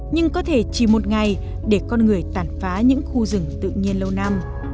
nhưng có thể chỉ một ngày để con người tàn phá những khu rừng tự nhiên lâu năm